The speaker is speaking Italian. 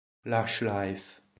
Lush Life